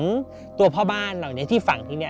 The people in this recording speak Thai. ก็คือตัวพ่อบ้านเราที่ฝั่งที่นี่